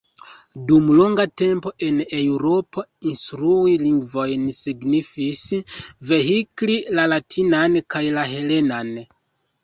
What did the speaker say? Dum longa tempo en Eŭropo instrui lingvojn signifis vehikli la latinan kaj la helenan.